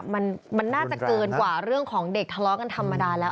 มันน่าจะเกินกว่าเรื่องของเด็กทะเลาะกันธรรมดาแล้ว